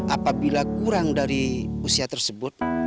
apabila kurang dari usia tersebut